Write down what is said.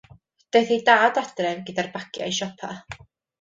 Daeth ei dad adref gyda'r bagiau siopa.